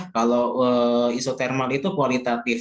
kalau isotermal itu kualitatif